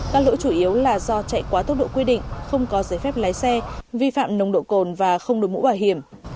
các lỗi chủ yếu là do chạy quá tốc độ quy định không có giấy phép lái xe vi phạm nồng độ cồn và không đổi mũ bảo hiểm